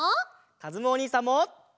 かずむおにいさんも！